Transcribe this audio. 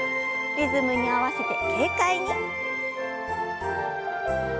リズムに合わせて軽快に。